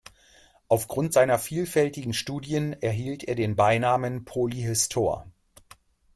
Aufgrund seiner vielfältigen Studien erhielt er den Beinamen Polyhistor.